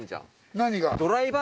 何が？